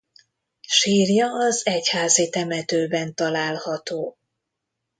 Sírja az egyházi temetőben található.